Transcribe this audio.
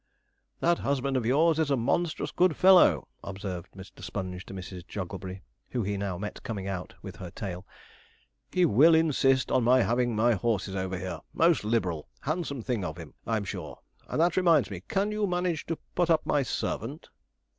'That husband of yours is a monstrous good fellow,' observed Mr. Sponge to Mrs. Jogglebury, who he now met coming out with her tail: 'he will insist on my having my horses over here most liberal, handsome thing of him, I'm sure; and that reminds me, can you manage to put up my servant?'